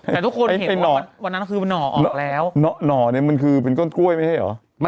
แต่ทุกคนเห็นว่าวันนั้นคือหน่อออกแล้ว